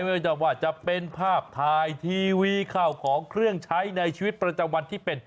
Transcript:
ท่านไม่ไหวว่าจะเป็นภาพทายทีวีข้าวของเขื่องใช้ในชวิตปัจจัยที่เป็น